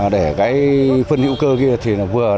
để cái phân hữu cơ kia thì vừa là đảm bảo